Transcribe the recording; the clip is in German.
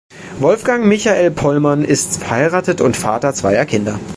Wolfgang Michael Pollmann ist verheiratet und Vater zweier Kinder.